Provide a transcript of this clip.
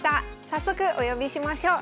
早速お呼びしましょう。